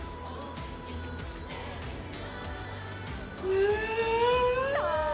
うん！